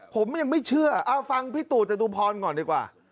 ผมยังไม่เชื่อเอาฟังพี่ตู่จตุพรก่อนดีกว่า